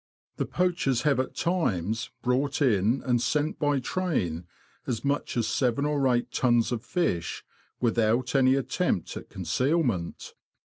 The poachers have at times brought in and sent by train as much as YARMOUTH TO LOWESTOFT. 31 seven or eight tons of fish, without any attempt at concealment.